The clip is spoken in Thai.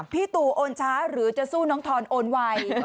พี่ตู่โอนช้าหรือจะสู้น้องทอนโอนไว